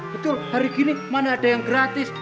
betul hari gini mana ada yang gratis